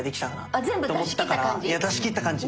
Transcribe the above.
あ全部出しきった感じ？